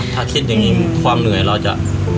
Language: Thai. ถ้าคิดอย่างนี้ความเหนื่อยเราจะ